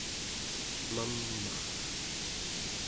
mam'er